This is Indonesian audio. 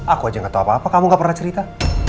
aku aja gak tau apa apa kamu gak pernah cerita